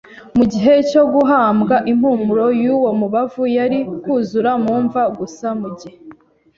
Mu gihe cyo guhambwa impumuro y'uwo mubavu yari kuzura mu mva gusa mu gihe